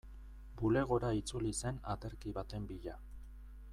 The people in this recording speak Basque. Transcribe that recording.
Bulegora itzuli zen aterki baten bila.